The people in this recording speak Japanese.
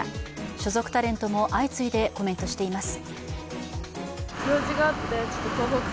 所属タレントも相次いでコメントを発表しています。